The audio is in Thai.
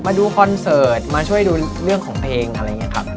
คอนเสิร์ตมาช่วยดูเรื่องของเพลงอะไรอย่างนี้ครับ